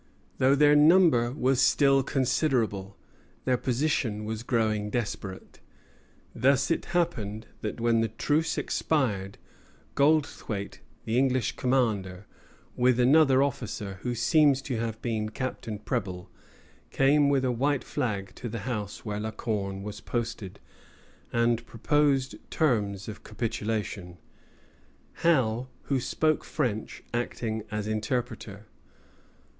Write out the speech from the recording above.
Though their number was still considerable, their position was growing desperate. Thus it happened that when the truce expired, Goldthwait, the English commander, with another officer, who seems to have been Captain Preble, came with a white flag to the house where La Corne was posted, and proposed terms of capitulation, Howe, who spoke French, acting as interpreter.